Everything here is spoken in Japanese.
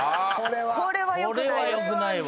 これはよくないわ。